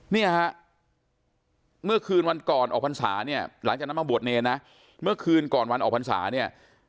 เนี่ยฮะเมื่อคืนวันก่อนออกพรรษาเนี่ยหลังจากนั้นมาบวชเนรนะเมื่อคืนก่อนวันออกพรรษาเนี่ย